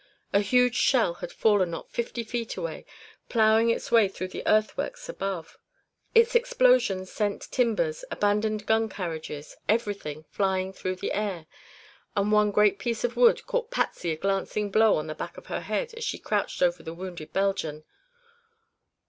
A huge shell had fallen not fifty feet away, plowing its way through the earthworks above. Its explosion sent timbers, abandoned gun carriages, everything, flying through the air. And one great piece of wood caught Patsy a glancing blow on the back of her head as she crouched over the wounded Belgian.